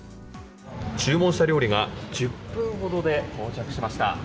注文した料理が１０分ほどで到着しました。